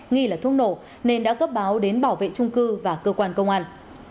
nghi là thuốc nổ nên đã cấp báo đến bảo vệ trung cư và cơ quan công an